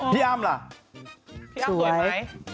พี่อ้ำสวยไหม